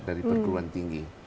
dari perguruan tinggi